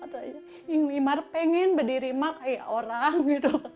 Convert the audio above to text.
aymar ingin berdiri emak seperti orang